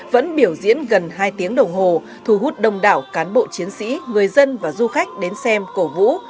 vẫn biểu diễn gần hai tiếng đồng hồ thu hút đông đảo cán bộ chiến sĩ người dân và du khách đến xem cổ vũ